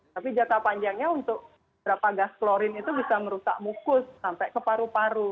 tapi jangka panjangnya untuk berapa gas klorin itu bisa merusak mukus sampai ke paru paru